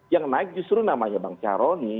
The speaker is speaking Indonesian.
yang naik justru namanya bang caroni